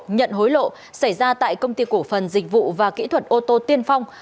nhận hối lộ xảy ra tại công ty cổ phần dịch vụ và kỹ thuật ô tô tiên phong